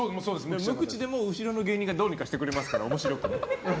無口でも後ろの芸人がどうにかしてくれますから面白く。